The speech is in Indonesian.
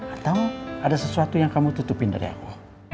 atau ada sesuatu yang kamu tutupin dari aku